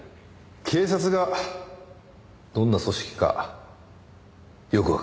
警察がどんな組織かよくわかりました。